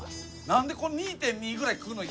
何でこの２．２ぐらい食うの？